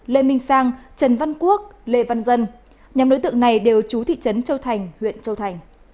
lê minh sang trần văn quốc lê văn dân nhóm đối tượng này đều trú thị trấn châu thành huyện châu thành